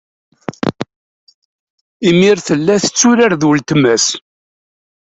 Imir tella tetturar d uletma-s.